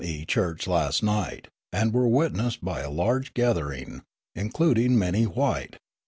E. Church last night, and were witnessed by a large gathering, including many white.